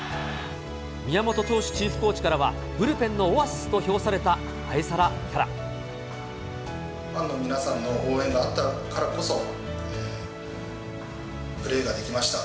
宮本投手チーフコーチからは、ブルペンのオアシスと評された愛ファンの皆さんの応援があったからこそ、プレーができました。